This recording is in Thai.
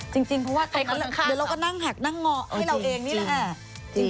จริงเพราะว่าตรงนั้นเดี๋ยวเราก็นั่งหักนั่งงอให้เราเองนี่แหละ